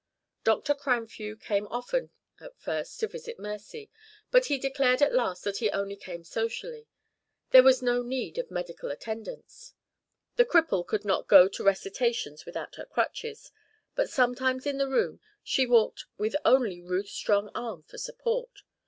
Dr. Cranfew came often at first to see Mercy; but he declared at last that he only came socially there was no need of medical attendance. The cripple could not go to recitations without her crutches, but sometimes in the room she walked with only Ruth's strong arm for support.